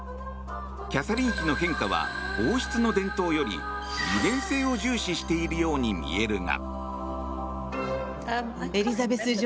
キャサリン妃の変化は王室の伝統より利便性を重視しているように見えるが。